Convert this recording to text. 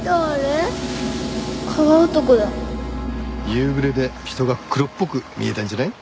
夕暮れで人が黒っぽく見えたんじゃない？